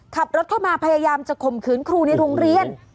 ขับรถเข้ามาพยายามจะข่มขืนครูในโรงเรียน